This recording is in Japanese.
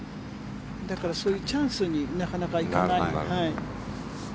だからそういうチャンスになかなかいかない。